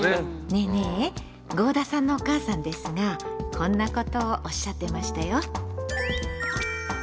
ねえねえ合田さんのお母さんですがこんなことをおっしゃってましたよ。